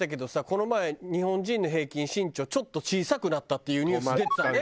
この前日本人の平均身長ちょっと小さくなったっていうニュース出てたね。